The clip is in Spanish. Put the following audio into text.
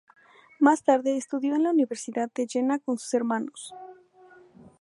Más tarde estudió en la Universidad de Jena con sus hermanos.